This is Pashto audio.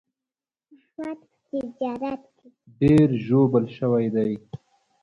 احمد په تجارت کې ډېر ژوبل شوی دی.